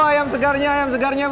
ayam segarnya ayam segarnya